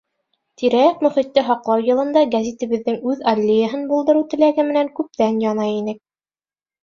Тирә-яҡ мөхитте һаҡлау йылында гәзитебеҙҙең үҙ аллеяһын булдырыу теләге менән күптән яна инек.